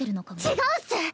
違うっス！